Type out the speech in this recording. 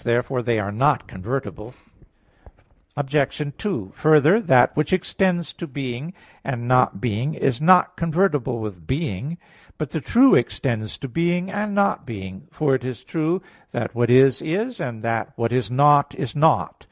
Therefore they are not convertible. Obj. 2: Further, that which extends to being and not being is not convertible with being. But the true extends to being and not being; for it is true that what is, is; and that what is not, is not.